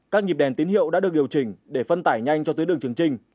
các nhịp đèn tín hiệu đã được điều chỉnh để phân tải nhanh cho tuyến đường chứng trình